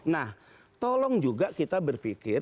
nah tolong juga kita berpikir